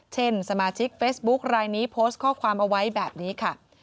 เช่นสมาชิกเฟซบุ๊คลายนี้โพสต์ข้อความเอาไว้แบบนี้ค่ะ